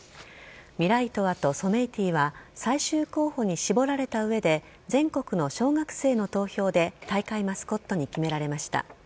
ミライトワとソメイティは最終候補に絞られた上で全国の小学生の投票で大会マスコットに決められました。